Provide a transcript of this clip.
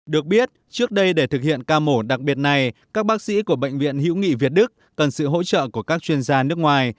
được biết trước đây để thực hiện ca mổ đặc biệt này các bác sĩ của bệnh viện hữu nghị việt đức cần sự hỗ trợ của các chuyên gia nước ngoài